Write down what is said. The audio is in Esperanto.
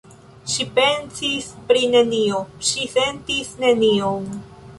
Ŝi pensis pri nenio, ŝi sentis nenion.